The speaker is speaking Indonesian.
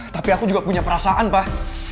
tapi aku juga punya perasaan pak